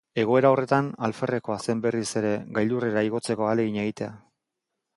Egoera horretan, alferrekoa zen berriz ere gailurrera igotzeko ahalegina egitea.